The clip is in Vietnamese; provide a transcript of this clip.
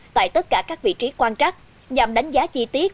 tại tất cả các vị trí quan trắc nhằm đánh giá chi tiết